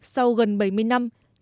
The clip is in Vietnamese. sau gần bảy mươi năm